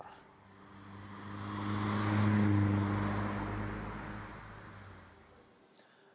jalan raya ciawi cianjur